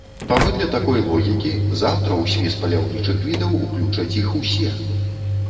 Паводле такой логікі, заўтра ў спіс паляўнічых відаў уключаць іх усе.